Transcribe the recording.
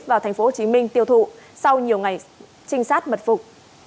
vào tp hcm tiêu thụ sau nhiều ngày trinh sát mật phục